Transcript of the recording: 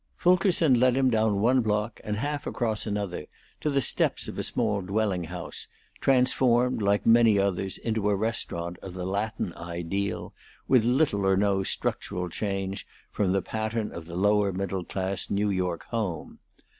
Fulkerson led him down one block and half across another to the steps of a small dwelling house, transformed, like many others, into a restaurant of the Latin ideal, with little or no structural change from the pattern of the lower middle class New York home.